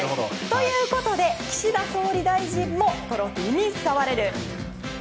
ということで岸田総理大臣もトロフィーに触れる。